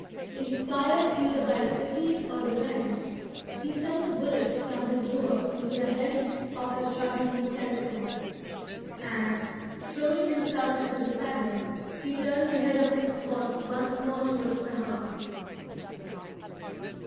Inspired either by pity or revenge, he sent a bullet from his roer into the head of the struggling skeleton; and, throwing himself into the saddle, he turned the head of his horse once more towards the house.